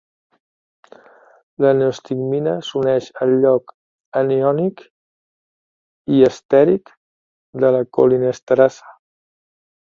La neostigmina s'uneix al lloc aniònic i estèric de la colinesterasa.